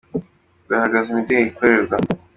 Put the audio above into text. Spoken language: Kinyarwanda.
kugaragaza imideli ikorerwa.